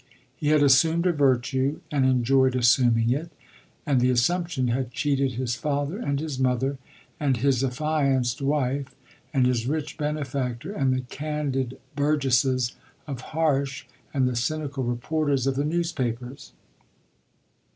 He had assumed a virtue and enjoyed assuming it, and the assumption had cheated his father and his mother and his affianced wife and his rich benefactor and the candid burgesses of Harsh and the cynical reporters of the newspapers.